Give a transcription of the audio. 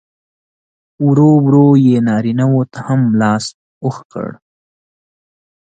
ورو ورو یې نارینه و ته هم لاس اوږد کړ.